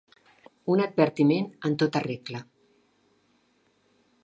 Un advertiment en tota regla.